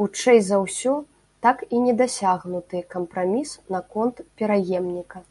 Хутчэй за ўсё, так і не дасягнуты кампраміс наконт пераемніка.